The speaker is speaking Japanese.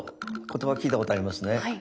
言葉聞いたことありますね。